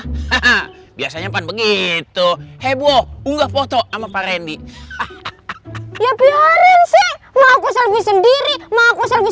hahaha biasanya kan begitu heboh unggah foto sama pak rendy ya biarin sih mau aku selfie sendiri mau